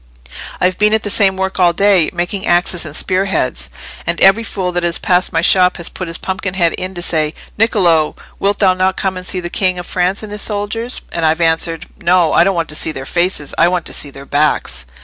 "I've been at the same work all day—making axes and spear heads. And every fool that has passed my shop has put his pumpkin head in to say, 'Niccolò, wilt thou not come and see the King of France and his soldiers?' and I've answered, 'No: I don't want to see their faces—I want to see their backs.